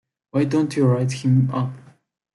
Why don't you write him up?